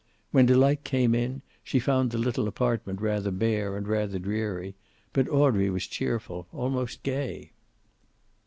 When Delight came in she found the little apartment rather bare and rather dreary, but Audrey was cheerful, almost gay.